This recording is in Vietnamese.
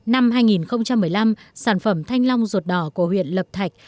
năm hai nghìn một mươi năm sản phẩm thanh long ruột đỏ của huyện lập thạch